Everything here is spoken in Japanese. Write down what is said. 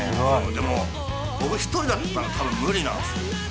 でも僕一人だったら多分無理なんですよ。